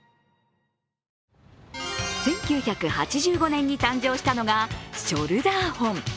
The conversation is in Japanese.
１９８５年に誕生したのがショルダーホン。